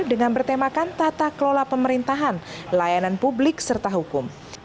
dengan bertemakan tata kelola pemerintahan layanan publik serta hukum